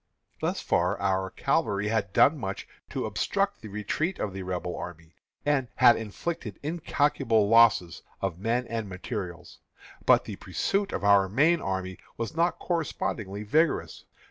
Thus far our cavalry had done much to obstruct the retreat of the Rebel army, and had inflicted incalculable losses of men and materials. But the pursuit of our main army was not correspondingly vigorous.